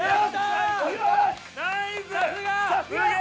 ナイス！